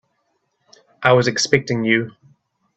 I was expecting you.